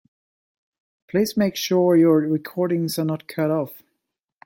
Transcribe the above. Please make sure your recordings are not cut off.